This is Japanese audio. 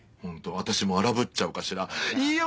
私も荒ぶっちゃおうかしらいよ！